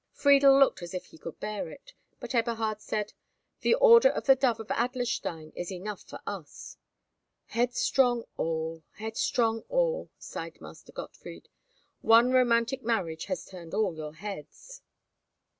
Friedel looked as if he could bear it, and Eberhard said, "The order of the Dove of Adlerstein is enough for us." "Headstrong all, headstrong all," sighed Master Gottfried. "One romantic marriage has turned all your heads."